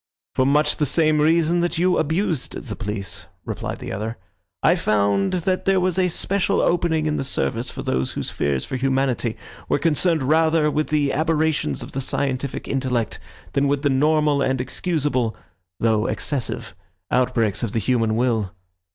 "For much the same reason that you abused the police," replied the other. "I found that there was a special opening in the service for those whose fears for humanity were concerned rather with the aberrations of the scientific intellect than with the normal and excusable, though excessive, outbreaks of the human will.